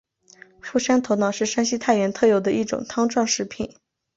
傅山头脑是山西太原特有的一种汤状食品。